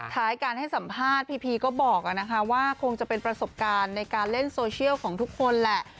ท้ายการให้สัมภาษณ์พีพีก็บอกว่าคงจะเป็นประสบการณ์ในการเล่นโซเชียลของทุกคนแหละ